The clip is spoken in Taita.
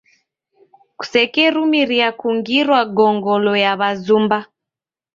Kusekerumiria kungirwa gongolo ya w'azumba.